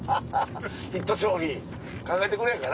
ヒット商品考えてくれへんかな。